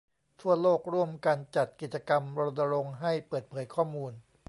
ทั่วโลกร่วมกันจัดกิจกรรมรณรงค์ให้เปิดเผยข้อมูล